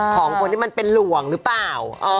ของคนที่มันเป็นหลวงหรือเปล่า